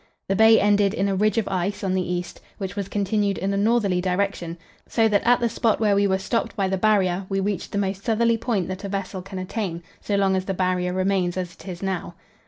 The bay ended in a ridge of ice on the east, which was continued in a northerly direction, so that at the spot where we were stopped by the Barrier, we reached the most southerly point that a vessel can attain, so long as the Barrier remains as it is now.